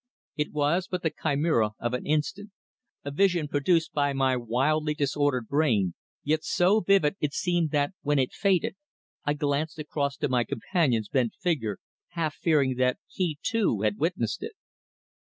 It was but the chimera of an instant, a vision produced by my wildly disordered brain, yet so vivid it seemed that when it faded I glanced across to my companion's bent figure, half fearing that he, too, had witnessed it.